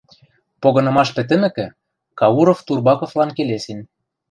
Погынымаш пӹтӹмӹкӹ, Кауров Турбаковлан келесен: